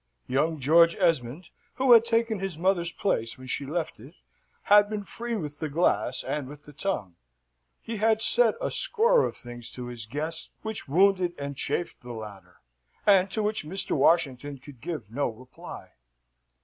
Young George Esmond, who had taken his mother's place when she left it, had been free with the glass and with the tongue. He had said a score of things to his guest which wounded and chafed the latter, and to which Mr. Washington could give no reply.